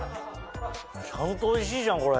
ちゃんとおいしいじゃんこれ。